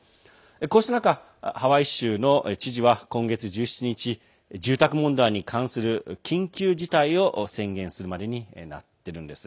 こうした中、ハワイ州の知事は今月１７日住宅問題に関する緊急事態を宣言するまでになっているんです。